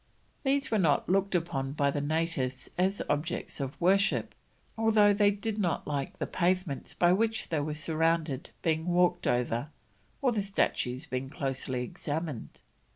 These were not looked upon by the natives as objects of worship, although they did not like the pavements by which they were surrounded being walked over, or the statues being closely examined.